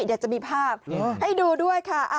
เดี๋ยวจะมีภาพให้ดูด้วยค่ะ